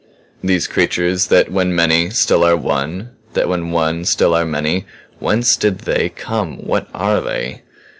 "These creatures that when many still are one that when one still are many. Whence did They come? What are They?"